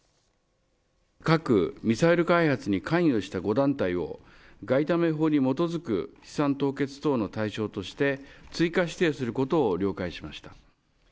核・ミサイル開発に関与した５団体を外為法に基づく資産凍結等の対象として追加指定することを了解しました。